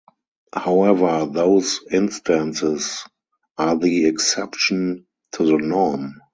However, those instances are the exception to the norm.